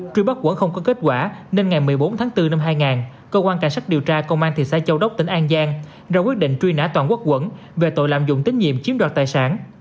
truy bắt quẩn không có kết quả nên ngày một mươi bốn tháng bốn năm hai nghìn cơ quan cảnh sát điều tra công an thị xã châu đốc tỉnh an giang đã quyết định truy nã toàn quốc quẩn về tội lạm dụng tín nhiệm chiếm đoạt tài sản